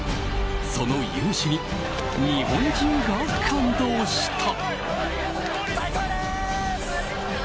その雄姿に日本中が感動した。